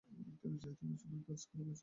তিনি সাহিত্য রচনার কাজ করে গেছেন।